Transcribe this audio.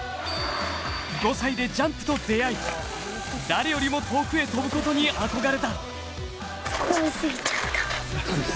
５歳でジャンプと出会い、誰よりも遠くへ飛ぶことに憧れた。